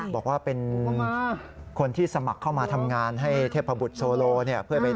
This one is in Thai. บอกว่าเป็นคนที่สมัครเข้ามาทำงานให้เทพบุตรโซโล